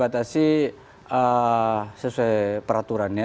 beratasi sesuai peraturannya